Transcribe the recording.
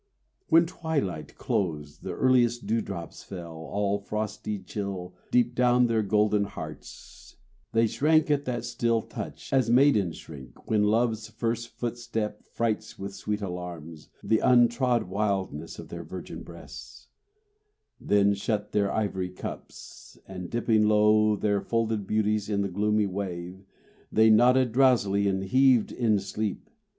When twilight closed when earliest dew drops fell All frosty chill deep down their golden hearts, They shrank at that still touch, as maidens shrink, When love's first footstep frights with sweet alarms The untrod wildness of their virgin breasts; Then shut their ivory cups, and dipping low Their folded beauties in the gloomy wave, They nodded drowsily and heaved in sleep.